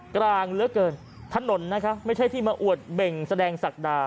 กลางเหลือเกินถนนนะคะไม่ใช่ที่มาอวดเบ่งแสดงศักดา